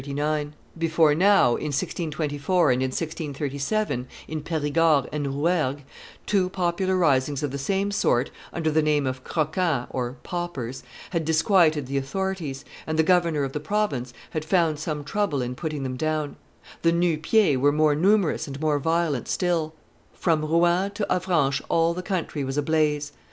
Before now, in 1624 and in 1637, in Perigord and Rouergue, two popular risings of the same sort, under the name of Croquants (Paupers), had disquieted the authorities, and the governor of the province had found some trouble in putting them down. The Nu pieds were more numerous and more violent still; from Rouen to Avranches all the country was a blaze.